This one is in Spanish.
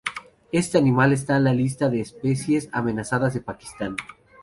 Este animal está en la lista de especies amenazadas de Pakistán.